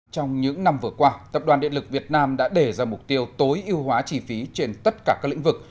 trong những năm vừa qua tập đoàn điện lực việt nam đã để ra mục tiêu tối ưu hóa chi phí trên tất cả các lĩnh vực